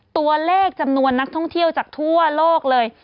ตัวเลขจำนวนนักท่องเที่ยวจากทั่วโลกเลย